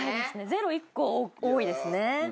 ゼロ１個多いですね。